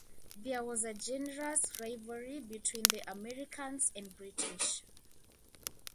There was a generous rivalry between the Americans and British.